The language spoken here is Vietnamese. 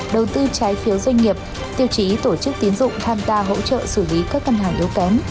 đầu tư trái phiếu doanh nghiệp tiêu chí tổ chức tiến dụng tham gia hỗ trợ xử lý các ngân hàng yếu kém